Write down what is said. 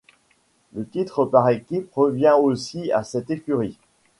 Le titre par équipe revient aussi à cette écurie.